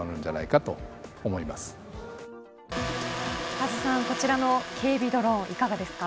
カズさん、こちらの警備ドローン、いかがですか。